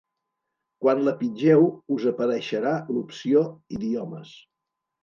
Quan la pitgeu, us apareixerà l’opció “Idiomes”.